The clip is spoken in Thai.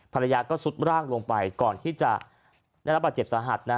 ภรรยาก็สุดร่างลงไปก่อนที่จะได้รับบาดเจ็บสาหัส